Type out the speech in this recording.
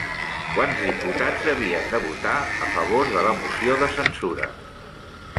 Quants diputats havien de votar a favor de la moció de censura?